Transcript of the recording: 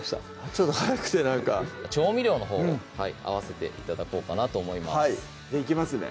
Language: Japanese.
ちょっと速くてなんか調味料のほうを合わせて頂こうかなと思いますじゃあいきますね